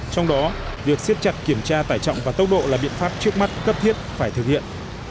trong đó việc siết chặt kiểm tra tải trọng và tốc độ là biện pháp trước mắt cấp thiết phải thực hiện